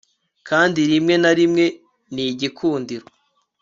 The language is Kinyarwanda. Kandi rimwe na rimwe ni igikundiro